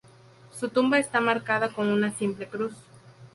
Su tumba está marcada con una simple cruz.